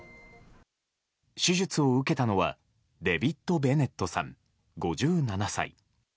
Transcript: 手術を受けたのはデビッド・ベネットさん、５７歳。